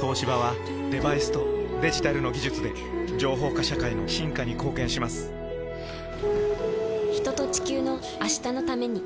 東芝はデバイスとデジタルの技術で情報化社会の進化に貢献します人と、地球の、明日のために。